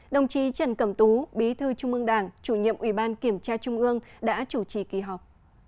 đồng chí trần cẩm tú bí thư trung ương đảng chủ nhiệm ủy ban kiểm tra trung ương đã chủ trì kỳ họp